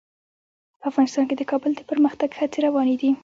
په افغانستان کې د کابل د پرمختګ هڅې روانې دي.